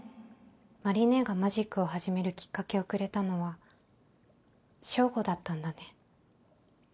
麻里姉がマジックを始めるきっかけをくれたのはＳＨＯＧＯだったんだね。